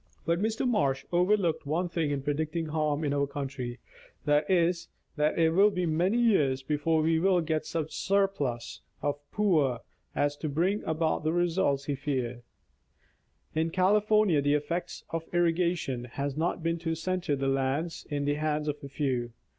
But Mr. Marsh overlooked one thing in predicting harm in our country ; that is, that it will be many years before we will get such a surplus of poor as to bring about the result he feared. In California, the effect of irrigation has not been to center the land in the hands of a few.